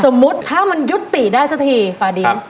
สมมุติถ้ามันยุติได้สักทีฟาดิน